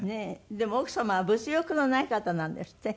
でも奥様は物欲のない方なんですって？